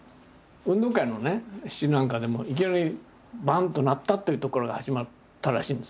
運動会の詩なんかでもいきなりバンッと鳴ったっていうとこから始まったらしいんですよ